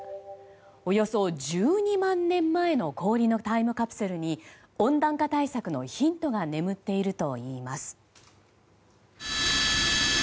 およそ１２万年前の氷のタイムカプセルに温暖化対策のヒントが眠っているといいます。